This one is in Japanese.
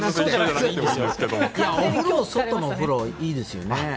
お風呂外のお風呂いいですよね。